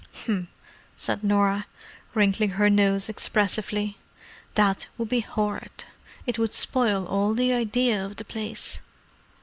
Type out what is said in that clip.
"'M!" said Norah, wrinkling her nose expressively. "That would be horrid—it would spoil all the idea of the place."